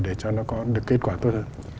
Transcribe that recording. để cho nó có được kết quả tốt hơn